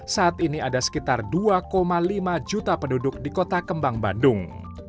saat ini ada sekitar dua lima juta penduduk di kota kembang bandung